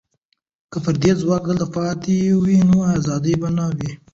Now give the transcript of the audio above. که پردي ځواک دلته پاتې وي، نو ازادي به نه وي.